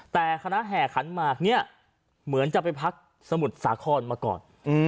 แต่คณะแห่ขันหมากเนี่ยเหมือนจะไปพักสมุทรสาครมาก่อน